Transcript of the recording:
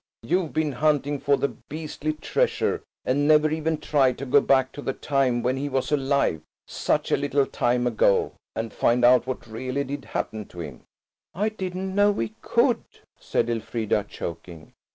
You've been hunting for the beastly treasure, and never even tried to go back to the time when he was alive–such a little time ago–and find out what really did happen to him." "I didn't know we could," said Elfrida, choking.